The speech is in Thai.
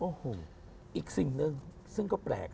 โอ้โหอีกสิ่งหนึ่งซึ่งก็แปลก